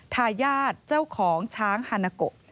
ทายาทเจ้าของช้างฮานาโก